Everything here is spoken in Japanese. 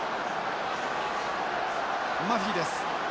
マフィです。